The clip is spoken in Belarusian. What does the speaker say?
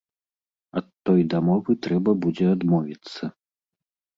Ад той дамовы трэба будзе адмовіцца.